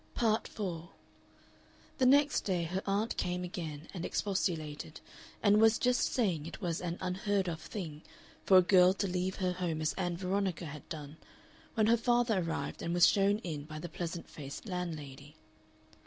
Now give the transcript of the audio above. Part 4 The next day her aunt came again and expostulated, and was just saying it was "an unheard of thing" for a girl to leave her home as Ann Veronica had done, when her father arrived, and was shown in by the pleasant faced landlady.